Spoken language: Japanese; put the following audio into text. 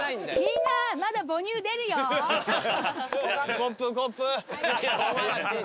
コップコップ。